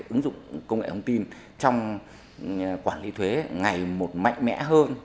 ứng dụng công nghệ thông tin trong quản lý thuế ngày một mạnh mẽ hơn